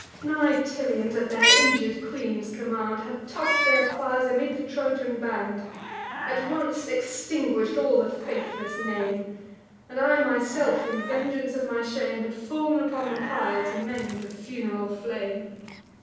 My Tyrians, at their injur'd queen's command, Had toss'd their fires amid the Trojan band; At once extinguish'd all the faithless name; And I myself, in vengeance of my shame, Had fall'n upon the pile, to mend the fun'ral flame.